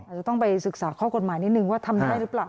อาจจะต้องไปศึกษาข้อกฎหมายนิดนึงว่าทำได้หรือเปล่า